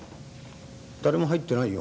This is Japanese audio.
誰も入ってないよ。